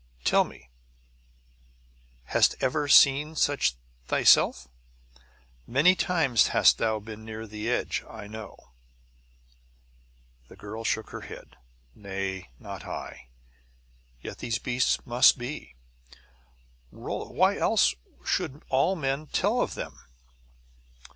Tell me; hast ever seen such thyself? Many times hast thou been near the edge, I know." The girl shook her head. "Nay; not I. Yet these beasts must be, Rolla; else why should all men tell of them?"